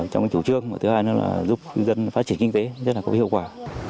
trong chủ trương thứ hai nữa là giúp dân phát triển kinh tế rất là có hiệu quả